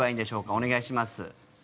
お願いします。